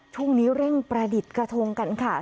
ช่วงนี้เร่งประดิษฐ์กระทงกันค่ะ